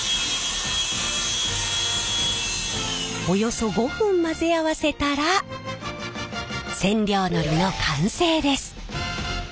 およそ５分混ぜ合わせたら染料のりの完成です。